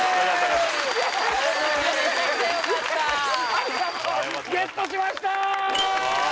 ありがとうゲットしました